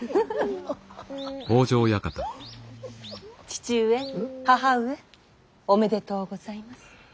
父上義母上おめでとうございます。